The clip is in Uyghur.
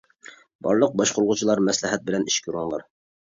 بارلىق باشقۇرغۇچىلار مەسلىھەت بىلەن ئىش كۆرۈڭلار.